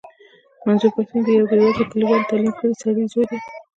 منظور پښتين د يوه بې وزلې کليوال تعليم کړي سړي زوی دی.